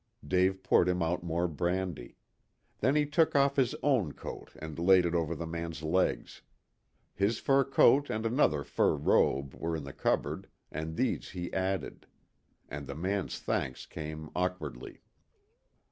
Dave poured him out more brandy. Then he took off his own coat and laid it over the man's legs. His fur coat and another fur robe were in the cupboard, and these he added. And the man's thanks came awkwardly.